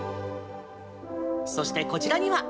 そして、こちらには。